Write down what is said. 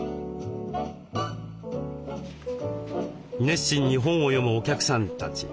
熱心に本を読むお客さんたち。